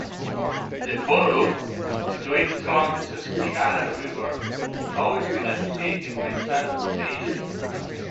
The borough, situated along the Susquehanna River, has always been associated with transportation.